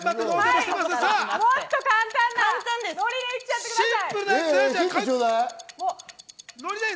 もっと簡単な、ノリで言っちゃってください。